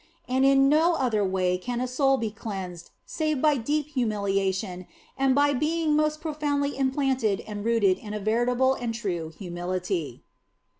And in no other way can a soul be cleansed save by deep humiliation and by being most profoundly implanted and rooted in veritable and true humility.